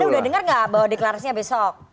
tapi anda udah dengar gak bahwa deklarasinya besok